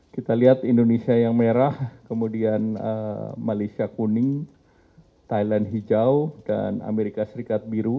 kita lihat indonesia yang merah kemudian malaysia kuning thailand hijau dan amerika serikat biru